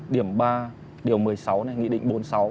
điểm ba điều một mươi sáu này nghị định bốn mươi sáu